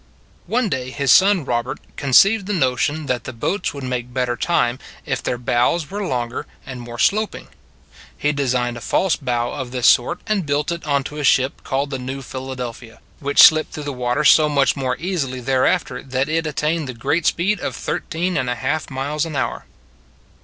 One day his son Robert conceived the notion that the boats would make better time if their bows were longer and more sloping. He designed a false bow of this sort, and built it on to a ship called the New Philadelphia, which slipped through the water so much more easily thereafter that it attained the great speed of thirteen and a half miles an hour.